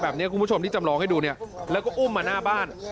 แบบนี้คุณผู้ชมที่จำลองให้ดูแล้วก็อุ้มมาหน้าบ้าน